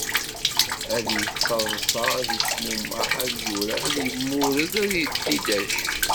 Ad yettaḍsa, ad yecmumeḥ, ad yurar, ad yemmured, ad yedidac.